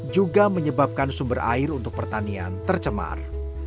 juga menyebabkan sumber air untuk pertanian tercemar